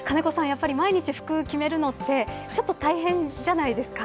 毎日、服を決めるのってちょっと大変じゃないですか。